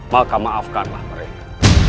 maka maafkanlah mereka